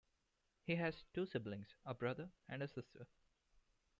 He has two siblings: a brother and a sister.